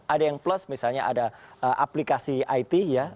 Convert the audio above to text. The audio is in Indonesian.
ada yang plus misalnya ada aplikasi it ya